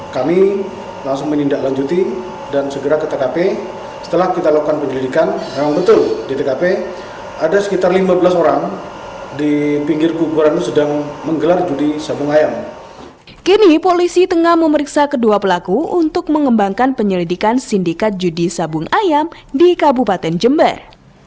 kini polisi tengah memeriksa kedua pelaku untuk mengembangkan penyelidikan sindikat judi sabung ayam di kabupaten jember